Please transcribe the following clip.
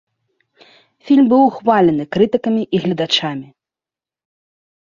Фільм быў ухвалены крытыкамі і гледачамі.